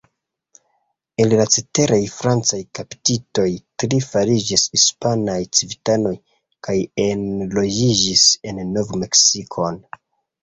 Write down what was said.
El la ceteraj francaj kaptitoj, tri fariĝis hispanaj civitanoj kaj enloĝiĝis en Nov-Meksikon.